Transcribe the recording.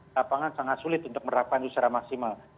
lapangan sangat sulit untuk merapatkan secara maksimal